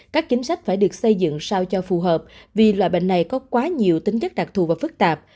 các chính sách phải được xây dựng sao cho phù hợp vì loại bệnh này có quá nhiều tính chất đặc thù và phức tạp